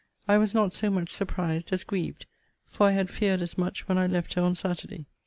I was not so much surprised as grieved; for I had feared as much when I left her on Saturday.